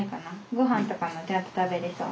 ごはんとかもちゃんと食べれそう？